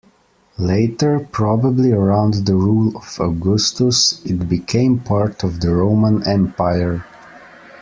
Later, probably around the rule of Augustus, it became part of the Roman Empire.